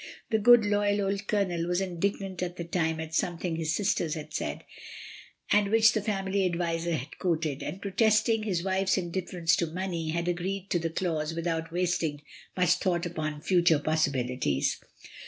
The good, loyal old Colonel was indignant at the time at something his sisters had said, and which the family adviser had quoted; and protesting his wife's indifference to money, had agreed to the clause without wasting much thought upon future possibilities.